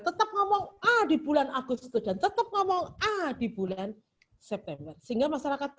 tetap ngomong ah di bulan agustus dan tetap ngomong ah di bulan september sehingga masyarakat